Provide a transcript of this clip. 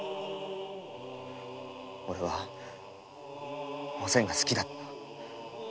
オレはお仙が好きだった。